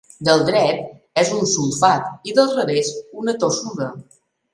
Del dret és un sulfat i del revés una tossuda.